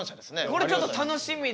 これちょっと楽しみですね。